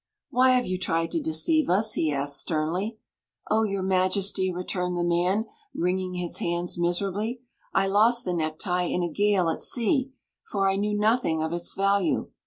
"Why have you tried to deceive us?" he asked sternly. "Oh. your Majesty !" returned the man, wringing his hands miserably, " I lost the necktie in a gale at sea, for I knew nothing of its value.